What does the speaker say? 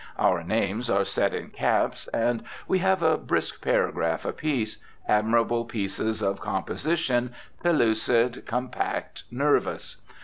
Our names are set in "caps," and we have a brisk paragraph apiece, admirable pieces of composition, pellucid, compact, nervous.